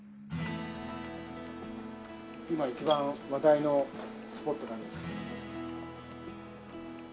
今一番話題のスポットなんですけども。